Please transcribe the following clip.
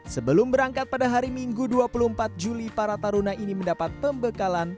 sebelum berangkat pada hari minggu dua puluh empat juli para taruna ini mendapat pembekalan